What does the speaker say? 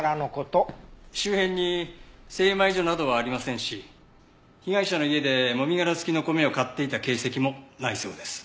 周辺に精米所などはありませんし被害者の家でもみ殻付きの米を買っていた形跡もないそうです。